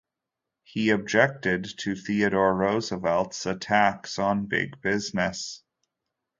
He objected to Theodore Roosevelt's attacks on big business.